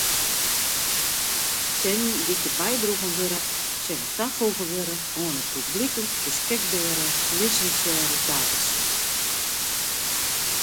Sinnen dy’t hjir bydroegen wurde sille tafoege wurde oan in publyklik beskikbere lisinsearre dataset.